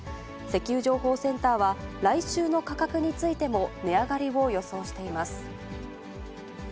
石油情報センターは、来週の価格についても値上がりを予想しています。